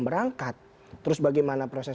berangkat terus bagaimana proses